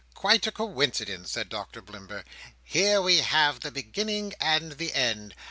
"Quite a coincidence!" said Doctor Blimber. "Here we have the beginning and the end.